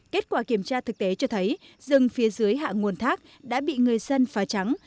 kết quả kiểm tra thực tế cho thấy rừng phía dưới hạ nguồn thác đã bị người dân phá trắng